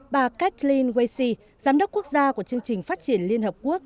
bà kathleen wasey giám đốc quốc gia của chương trình phát triển liên hợp quốc